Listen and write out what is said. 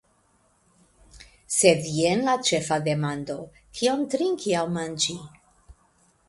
Sed jen la ĉefa demando: kion trinki aŭ manĝi.